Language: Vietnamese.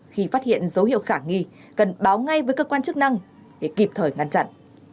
khi phát hiện dấu hiệu khả nghi cần báo ngay với cơ quan chức năng để kịp thời ngăn chặn